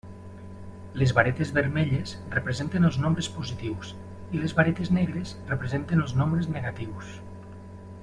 Les varetes vermelles representen els nombres positius i les varetes negres representen els nombres negatius.